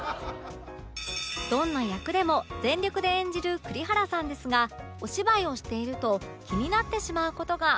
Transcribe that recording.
どんな役でも全力で演じる栗原さんですがお芝居をしていると気になってしまう事が